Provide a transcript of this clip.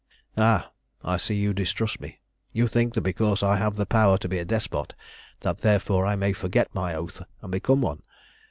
"Ah! I see you distrust me. You think that because I have the power to be a despot, that therefore I may forget my oath and become one.